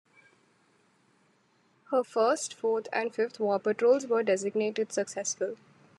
Her first, fourth, and fifth war patrols were designated successful.